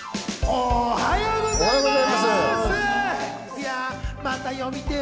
おはようございます。